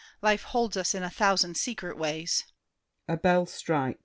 Life holds us in a thousand secret ways.